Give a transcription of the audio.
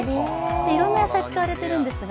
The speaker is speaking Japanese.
いろんな野菜が使われているんですが。